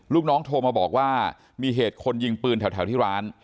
ลูกน้องโทรมาบอกว่ามีเหตุคนยิงปืนแถวที่ร้าน